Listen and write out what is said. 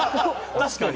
確かに。